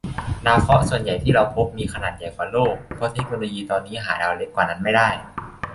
ดาวเคราะห์ส่วนใหญ่ที่เราพบ มีขนาดใหญ่กว่าโลก เพราะเทคโนโลยีตอนนี้หาดาวเล็กกว่านั้นไม่ได้